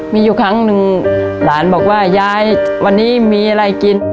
มีอยู่ครั้งหนึ่งหลานบอกว่ายายวันนี้มีอะไรกิน